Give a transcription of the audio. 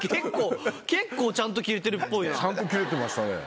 結構ちゃんとキレてるっぽいな。